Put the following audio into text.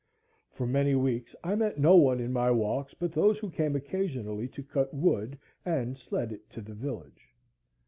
For many weeks I met no one in my walks but those who came occasionally to cut wood and sled it to the village.